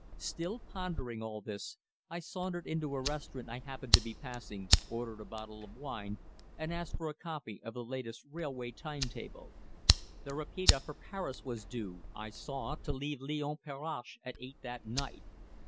Still pondering all this, I sauntered into a restaurant I happened to be passing, ordered a bottle of wine, and asked for a copy of the latest railway time table. The rapide for Paris was due, I saw, to leave Lyons Perrache at eight that night.